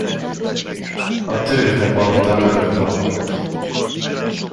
A Tőzsdepalota mögött lakott.